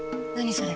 それ。